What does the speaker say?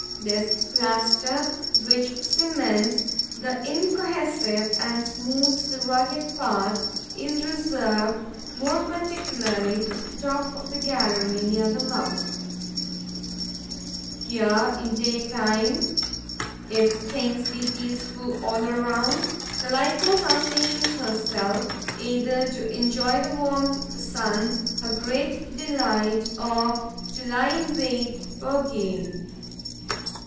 This plaster, which cements the incohesive and smooths the rugged parts, is reserved more particularly for the top of the gallery, near the mouth. Here, in the daytime, if things be peaceful all around, the Lycosa stations herself, either to enjoy the warmth of the sun, her great delight, or to lie in wait for game.